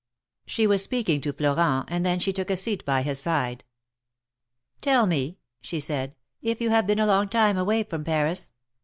She was speaking to Florent, and then she took a seat by his side. ^^Tell me," she said, you have been a long time away from Paris